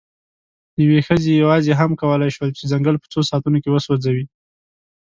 یوې ښځې یواځې هم کولی شول، چې ځنګل په څو ساعتونو کې وسوځوي.